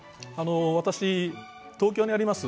私、東京にあります